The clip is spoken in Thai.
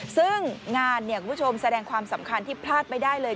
ซึ่งงานคุณผู้ชมแสดงความสำคัญที่พลาดไม่ได้เลย